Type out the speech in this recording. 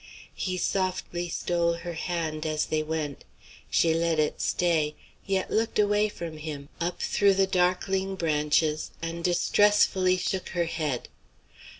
He softly stole her hand as they went. She let it stay, yet looked away from him, up through the darkling branches, and distressfully shook her head.